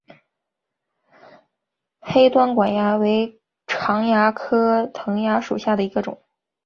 黑端管蚜为常蚜科藤蚜属下的一个种。